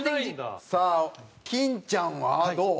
さあ金ちゃんはどう？